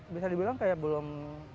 bisa dibilang kayak belum